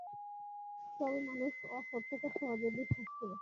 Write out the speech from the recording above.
তবে মানুষ অসত্যকে সহজে বিশ্বাস করে!